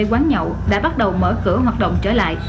quán nhậu đã bắt đầu mở cửa hoạt động trở lại